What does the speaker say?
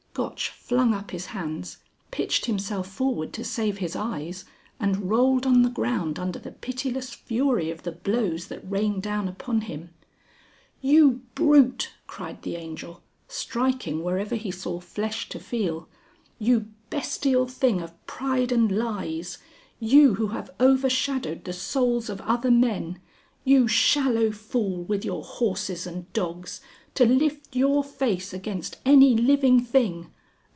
Gotch flung up his hands, pitched himself forward to save his eyes, and rolled on the ground under the pitiless fury of the blows that rained down upon him. "You brute," cried the Angel, striking wherever he saw flesh to feel. "You bestial thing of pride and lies! You who have overshadowed the souls of other men. You shallow fool with your horses and dogs! To lift your face against any living thing!